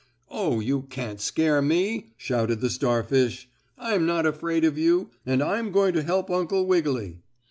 "Oh, you can't scare me!" shouted the starfish. "I'm not afraid of you, and I'm going to help Uncle Wiggily."